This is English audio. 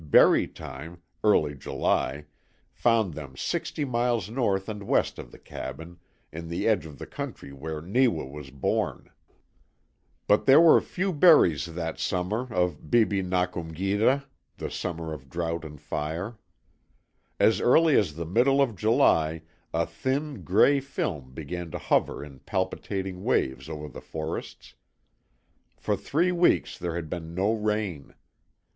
Berry time early July found them sixty miles north and west of the cabin, in the edge of the country where Neewa was born. But there were few berries that summer of bebe nak um geda (the summer of drought and fire). As early as the middle of July a thin, gray film began to hover in palpitating waves over the forests. For three weeks there had been no rain.